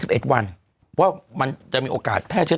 เอ็ดวันว่ามันจะมีโอกาสแพร่เชื้อ